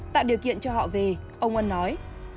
tạo điều kiện cho họ về ông ân nói